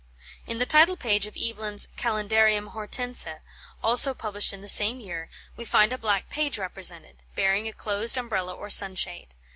In the title page of Evelyn's "Kalendarium Hortense," also published in the same year, we find a black page represented, bearing a closed Umbrella or Sunshade.